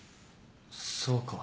そうか。